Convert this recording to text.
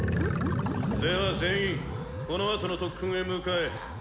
では全員このあとの特訓へ向かえ。